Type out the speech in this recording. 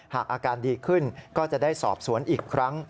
อาการดีขึ้นก็จะได้สอบสวนอีกครั้ง